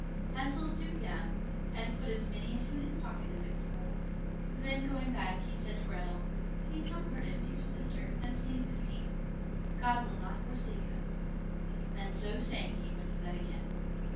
Hansel stooped down, and put as many into his pocket as it would hold, and then going back he said to Grethel, "Be comforted, dear sister, and sleep in peace; God will not forsake us;" and so saying he went to bed again.